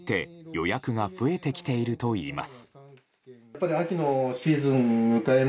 今月に入って、予約が増えてきているといいます。